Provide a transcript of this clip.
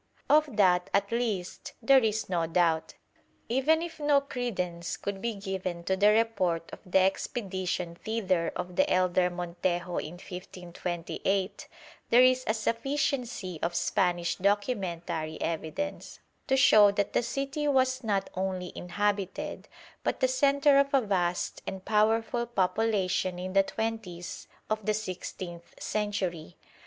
Of that, at least, there is no doubt. Even if no credence could be given to the report of the expedition thither of the elder Montejo in 1528, there is a sufficiency of Spanish documentary evidence to show that the city was not only inhabited, but the centre of a vast and powerful population in the twenties of the sixteenth century.